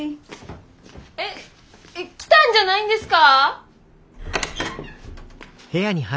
えっ来たんじゃないんですか？